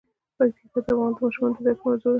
پکتیکا د افغان ماشومانو د زده کړې موضوع ده.